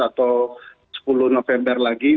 atau sepuluh november lagi